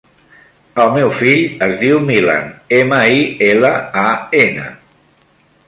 El meu fill es diu Milan: ema, i, ela, a, ena.